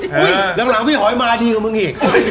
หลังพี่หอยมาดีกว่ามึงอีก